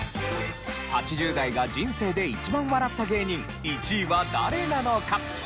８０代が人生で一番笑った芸人１位は誰なのか？